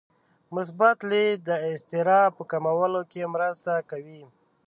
مثبت لید د اضطراب په کمولو کې مرسته کوي.